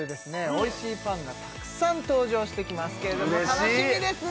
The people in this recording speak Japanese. おいしいパンがたくさん登場してきますけれども楽しみですね